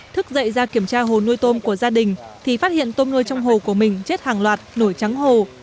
thức dậy ra kiểm tra hồ nuôi tôm của gia đình thì phát hiện tôm nuôi trong hồ của mình chết hàng loạt nổi trắng hồ